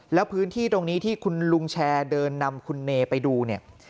แล้วพื้นที่ตรงนี้ที่คุณลุงแชร์เดินนำคุณเนไปดูเนี่ย